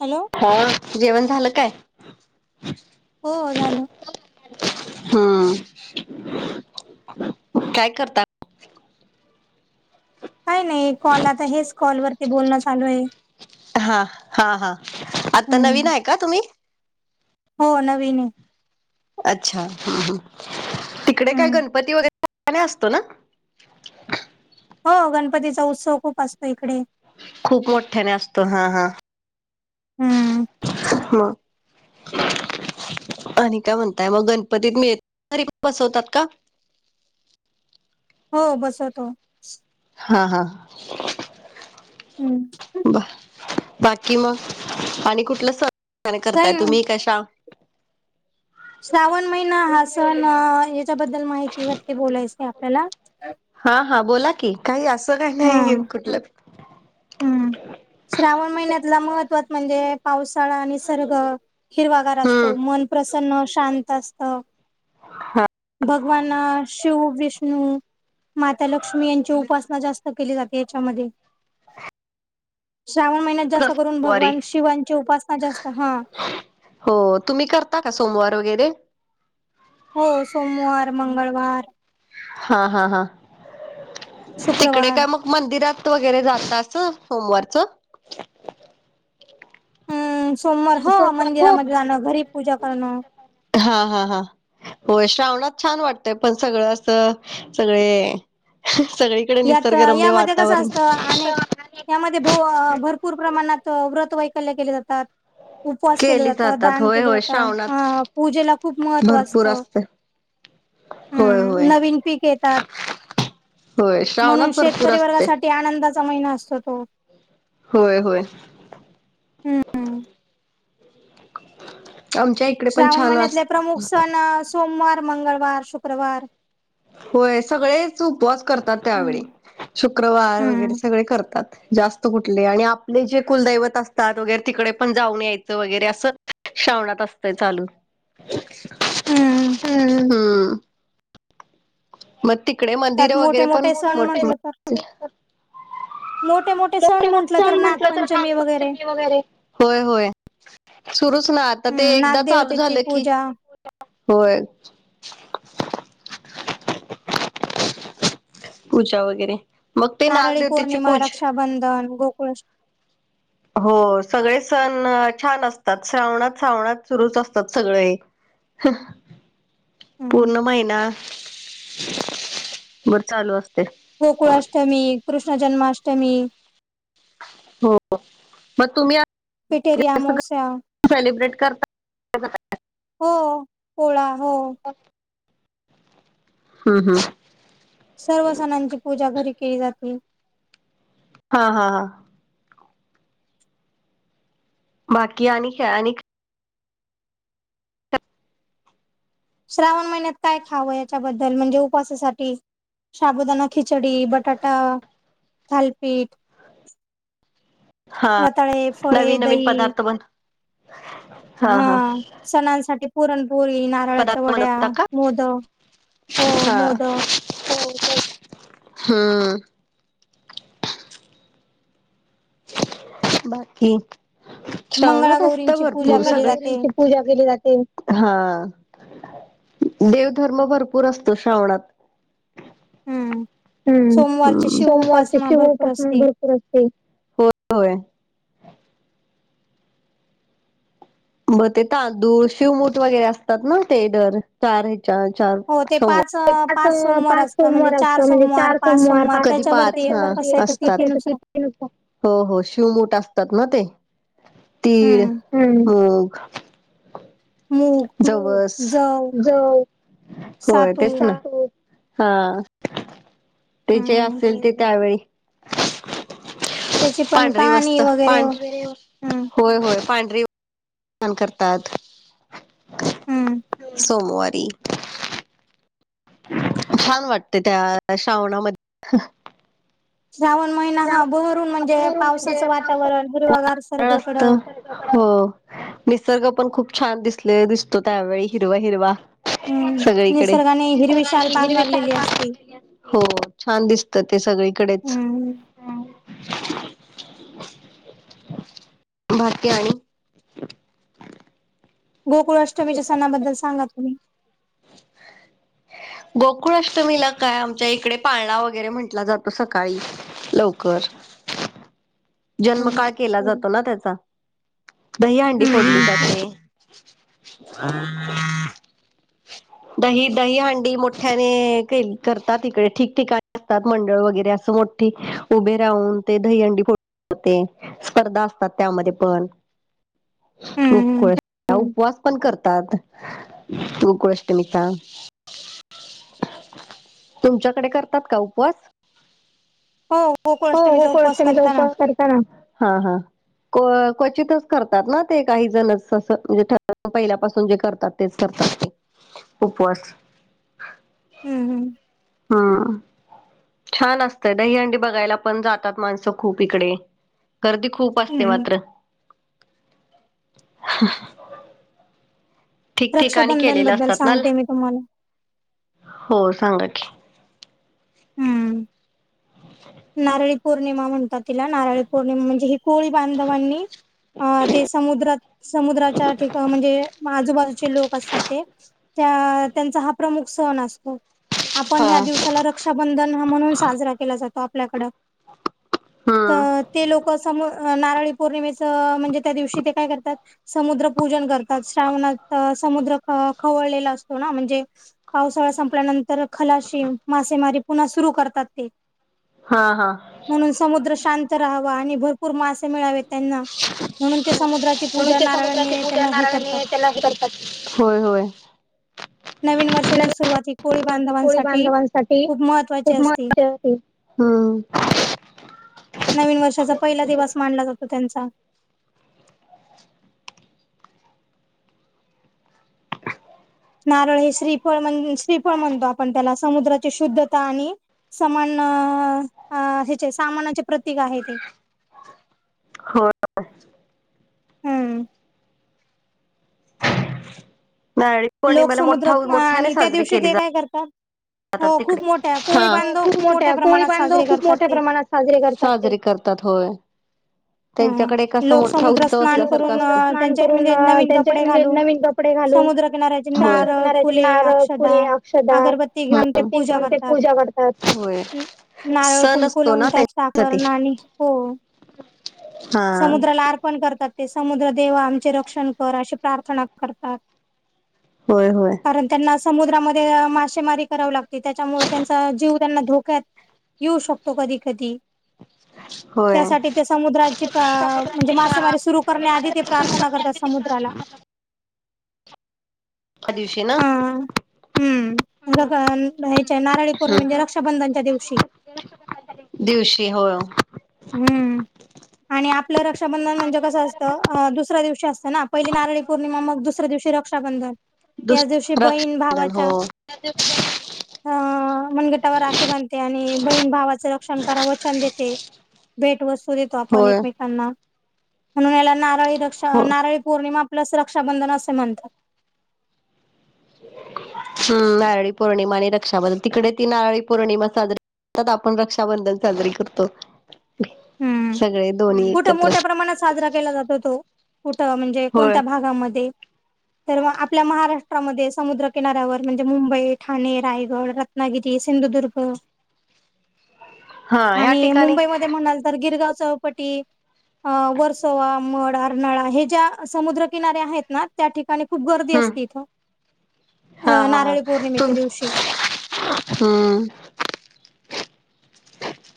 Hello. आ जेवण झालं काय? हो झालं. हम्म काय करता? काही नाही कॉल आता, हेच कॉलवरती बोलणं चालू आहे. हां हा हा आता नवीन हम्म आहे का तुम्ही? हो नवीन आहे. अच्छा हम्म ह् तिकडे काय हम्म गणपती वगैरे असतो ना. हो गणपतीचा उत्सव खूप असतो इकडे. खूप मोठ्याने असतो हा हा. हम्म. ह. आणि काय म्हणताय मग गणपतीत मिळ घरी बसवतात का? हो बसवतो. हां हा. हम्म. बाकी मग आणि कुठलं सण काही करताय नाही तुम्ही कशा श्रावण महिना हा सण याच्याबद्दल माहितीवरती बोलायचय आपल्याला. हा हा बोला की काही असं काय नाही हम्म कुठलं. हम्म श्रावण महिन्यातला महत्व म्हणजे, पावसाळा आणि निसर्ग. हिरवागार हम्म असतो मन प्रसन्न शांत असत. भगवान शिव, विष्णू, माता लक्ष्मी यांची उपासना जास्त. जाते याच्यामध्ये श्रावण महिन्यात जास्त करून सोमवारी भगवान शिवांची उपासना जास्त हा. हो तुम्ही करता का सोमवार वगैरे? हो सोमवार, मंगळवार. हा हा हा तिकडे शुक्रवार काय मग मंदिरात वगैरे जात अस सोमवारचं? हम्म सोमवार हो मंदिरामध्ये जाणं घरी पूजा करणं [unintelligible] हा हा हा होय श्रावणात छान वाटतय पण सगळं असं सगळे सगळे यात-अ यामध्ये कसं असतं अ अनेक यामध्ये भ भरपूर प्रमाणात व्रत वैकल्य केले जातात. उपवास केलं केली जातं जातात दान होय केले होय जातं हा श्रावणात पूजेला खूप महत्त्व असतं. हम [unintelligible] हम्म नवीन पीक येतात. होय म्हणून श्रावणात भरपूर शेतकरी असते वर्गासाठी आनंदाचा महिना असतो तो. होय होय. हम्म आमच्या एक. श्रावण महिन्यातले प्रमुख सण सोमवार मंगळवार शुक्रवार. होय सगळेच उपवास करतात त्यावेळी हम्म शुक्रवार हम्म वगैरे सगळे करतात. जास्त कुठले आणि आपले जे कुलदैवत असतात, वगैरे तिकडे पण जाऊन यायचं वगैरे असं. श्रावणात असतय चालू हम्म हम्म. मग तिकडे मंदिर त्यात मोठे वगैरे पण मोठे मो सण मोठी म्हटलं तर मोठी मोठे मोठे सण म्हटलं [unintelligible] म्हंटलं तर नागपंचमी नागपंचमी वगैरे होय होय सुरूच ना आता ते हम्म एकदा चालू नागदेवतेची झालं की पूजा होय पूजा वगैरे मग ते नारळी नागदेवतेची पौर्णिमा पूजा रक्षाबंधन गोकुळ [inaudible] हो सगळे सण छान असतात श्रावणात श्रावणात सुरूच असतात सगळे [inaudible] हम्म पूर्ण महिना भर चालू असते गोकुळाष्टमी कृष्ण जन्माष्टमी हो मग तुम्ही जास्त [unintelligible] सेलिब्रेट करता हो पोळा हो हम् हम् सर्व सणांची पूजा घरी केली जातील हा बाकी आणि काय आणिक श्रावण महिन्यात काय खावं याच्याबद्दल म्हणजे उपवासासाठी साबुदना खिचडी बटाटा थालपीठ हा रताळे फळे नवीन नवीन दही पदार्थ बन हा हा सणांसाठी पुरणपुरी ना च्या पदार्थ वड्या बनवता का? मोदक हो मोदक ह-आ बाकी श्रावणात असत मंगळागौरींची पूजा भरपूर केली सगळे जाते. पूजा केली जाते आ हा देवधर्म भरपूर असतो श्रावणात हम्म सोमवारची हम्म शिव सोमवारच्या उपासना शेव भरपूर पासून असते. भरपूर असते होय होय ब तेे तांदूळ शिवमूठ वगैरे असतात ना ते दर चार चया चार हो ते पाच पाच सोमवार सोमवार पाच असतं म्हणजे सोमवार चार असत म्हणजे सोमवार, चार पाच सोमवार कधी त्याच्यावरती पाच येतं कसं हा-आ येतं असतात तिथीनुसार हो हो शिवमूठ असतात ना ते तीळ हम्म [inaudible] होग मूग, जवस जव, जव होय सातू तेच ना [inaudible] हा ते जे हम्म असेल ते त्यावेळी त्याची पण पांढरी कहाणी वस्त वगैरे पांढरी हम्म होय होय पांढरी करतात हम्म सोमवारी छान वाटते त्या श्रावणामध्ये श्रावण महिना हा बहरून म्हणजे फागुणवरून म्हणजे पावसाचं पावसा वातावरण हिरवगार वातावरण सगळीकडे असत हो निसर्ग पण खूप छान दिसले, दिसतो त्यावेळी हिरवा हिरवा हम्म सगळीकडे निसर्गाने हिरवी शाल पांघरलेली असते. [unintelligible] हो छान दिसत ते सगळीकडेच. हम्म. बाकी आणि गोकुळ अष्टमीच्या सणाबद्दल सांगा तुम्ही. गोकुळ अष्टमीला काय आमच्या इकडे पाळणा वगैरे म्हटला जातो सकाळी. लवकर. जन्म हम्म. काळ केला जातो ना त्याचा, दहीहंडी हम्म फोडली हम्म जाते. [inaudible] दही दहीहांडी मोठ्याने के करतात इकडे ठिकठिकानी मंडळ वगैरे असं मोठ ते उभे राहून ते दही हंडी फोड म ते स्पर्धा असतात त्यामध्ये पण. [inaudible] हम्म हम्म उपवास पण करतात गोकुळाष्टमीचा. तुमच्याकडे करतात का उपवास? हो हो गोकुळाष्टमीचा उपवास गोकुळाष्टमी चा करताना उपवास करताना. हा हा क्वचितच करतात ना ते काही जणच असं म्हणजे [unintelligible] पहिल्यापासून जे करतात. तेच करतात की उपवास हम्म हम्म. हम्म, छान असतंय दहीहंडी बघायला पण जातात माणसं खूप. तिकडे, गर्दी खूप असते हम्म. मात्र. ठिकठिकाणी रक्षाबंधन केलेले बद्दल असतात ना, सांगते मी तुम्हाला. हो सांगा की. हम्म, नारळी पौर्णिमा म्हणतात. तिला नारळी पौर्णिमा म्हणजे ही कोळी बांधवांनी अ ते समुद्रात समुद्राच्या ठिका त्यांचा हा प्रमुख सण असतो. आपण हा. ह दिवसाला रक्षाबंधन हा म्हणून साजरा केला जातो आपल्याकड हम्म तर ते लोक सम नारळी पौर्णिमेच म्हणजे त्या दिवशी ते काय करतात समुद्र पूजन करतात. श्रावणात समुद्र खवळलेला असतो ना म्हणजे पावसाळा संपल्यानंतर खलाशी मा मारी पुन्हा सुरू करतात ते. हा, हा, म्हणून समुद्र शांत राहावा आणि भरपूर मासे मिळावे त्यांना म्हणून ते समुद्राची म्हणून पूजा ते नारळ समुद्राची आणि पूजा त्याला हे करतात नारळाने त्याला हे करतात. होय होय. नवीन वर्षाची सुरुवाती कोळी बांधवांसाठी साठी खूप महत्त्वाची खूप [unintelligible] असते महत् ह नवीन वर्षाचा पहिला दिवस मानला जातो त्यांचा. नारळ हे श्रीफळ म्हण श्रीफळ म्हणतो आपण त्याला समुद्राची शुद्धता आणि समान अ अ, ह्याचे सामानाचे प्रतीक आहे ते. हो [unintelligible] हम्म नारळी लोक पौर्णिमेला मोठ समुद्रात मोठ्याने आणि त्या साजरी दिवशी केली ते जात. काय करता? तिकडे खूप मोठ्या, प्रमाणात कोळीबांधव साजरे खूप करतात मोठ्या ते प्रमाणात साजरे साजरे करतात होय. हम त्यांच्याकडे एक अस लोक मोठा समुद्रात उत्सव स्नान असल्यासारख करून अस स्नान त्यांचे करून म्हणजे नवीन त्यां कपडे म्हणजे घालून नवीन कपडे घालू समुद्रकिनाऱ्याचे समुद्र नारळ किनार्याचे फुले नारळ, अक्षदा फुले, अक्षध अगरबत्ती घेऊन ते हऊन पूजा [unintelligible] ते करतात पूजा करतात सण असतो ना त्यांच्यासाठी साखरण [unintelligible] आणि हो [unintelligible] हा समुद्राला अर्पण करतात ते समुद्र देव आमचे रक्षण कर अशी प्रार्थना करतात. होय होय. कारण त्यांना समुद्रामध्ये अ मासेमारी करावी लागते त्याच्यामुळे त्यांचा जीव त्यांना धोक्यात येऊ शकतो कधी कधी होय. त्यासाठी समुद्राची म्हणजे समुद्राची मासेमारी सुरू म्हणजे करण्या आधी ते माथेरान सुरू प्रार्थना करते करतात आणि तिथं समुद्राला दिवशी ना. ह हम्म. हम्मच्या नारळी पौर्णि म्हणजे रक्षाबंधनच्या दिवशी दिवशी हो. हम्म. आणि आपलं रक्षाबंधन म्हणजे कसं असतं दुसऱ्या दिवशी असतं ना पहिली नारळी पौर्णिमा मग दुसऱ्या दिवशी रक्षाबंधन दुस याच दिवशी बहीण रक्षाबंधन हो भावाच्या अ मनगटावर राखी बांधते आणि बहीण भावाचं रक्षण करा वचन देते. भेट वस्तू देतो आपण होय एकमेकांना म्हणून याला नारळी दक्षा हो. नारळी पौर्णिमा प्लस रक्षाबंधन असे म्हणतात. हम् नारळी पौर्णिमा आणि रक्षाबदल तिकडे ती नारळी पौर्णिमा साजरा त्यात आपण रक्षाबंधन साजरी करतो. हम्म सगळे दोन्ही कुठे एकत्र मोठ्या प्रमाणात साजरा केला जातो तो. कुठं म्हणजे होय कोणत्या भागामध्ये तर मग आपल्या महाराष्ट्रामध्ये समुद्रकिनाऱ्यावर म्हणजे मुंबई, ठाणे, रायगड, रत्न नागिरी, सिंधुदुर्ग. [unintelligible] हा ह्या आणि ठिकाणी मुंबईमध्ये म्हणाल तर गिरगाव चौपटी अ वर्सोवा मळ, आरणाळा हे ज्या समुद्रकिनारे आहेत ना. त्या ठिकाणी खूप गर्दी हम्म असती इथ हा अ हा हा नारळी तुम पौर्णिमेच्या दिवशी हम्म.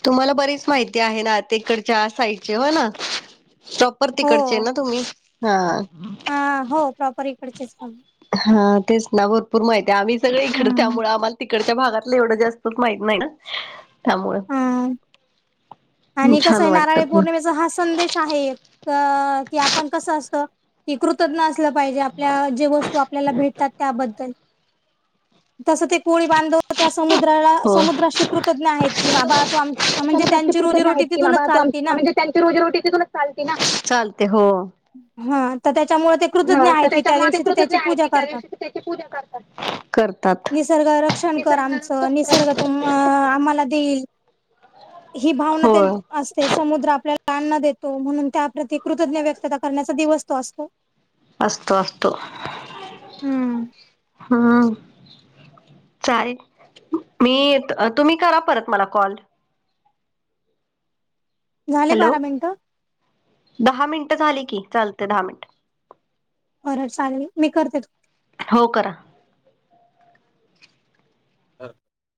तुम्हाला बरीच माहिती आहे ना तीकडच्या साईडची होय ना. पर हो तिकडचेय ना तुम्ही हा. हा हो प्रॉपर इकडचेच. हा तेच ना भरपूर माहिती आहे आम्ही सगळे इकड हम्म त्यामुळ आम्हाला तिकड च्या भागातलं एवढं जास्तच माहत नाही ना त्यामुळ हा आणि कस आहे वाटत नारळी पण पौर्णिमेचा हा संदेश आहे. अ कि आपण कसं असत. हे कृतज्ञ असलं पाहिजे आपल्या जे वस्तू आपल्याला भेटतात त्याबद्दल. तसं ते कोळी बांधव त्या समुद्राला समुद्राशी कृतज्ञ आहेत की बाबा तो आम म्हणजे समुद्राशी त्यांची कृतज्ञ आहेत रोजीरोटी की तिथूनच बाबा तू आम चालते ना म्हजे त्यांची रोजीरोटी तिथूनच चालते ना चालते हो. हा तर त्याच्यामुळ ते हा कृतज्ञ तर आहेत की त्या त्याच्यामुळे ते दिवशी कृतज्ञ त्याची आहे की पूजा त्या करतात दिवशी त्याची पूजा करतात करतात. निसर्ग रक्षण कर निसर्ग आमचं रक्षण निसर्ग करतात. तुम आम्हाला देईल. ही भावना त्यांनी होय अस ते समुद्र आपल्याला अन्न देतो म्हणून त्याप्रती कृतज्ञ व्यक्तता करण्याचा दिवस तो असतो. असतो असतो हम्म हम्म. चालेल मी तुम्ही करा परत मला कॉल. झाले हॅलो. बारा मिनिटं. दहा मिनिट झाली की चालते दहा मिनिट. बरं चालेल मी करते. हो करा. [unintelligible]